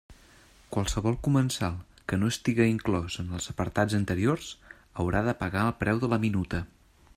Qualsevol comensal que no estiga inclòs en els apartats anteriors haurà de pagar el preu de la minuta.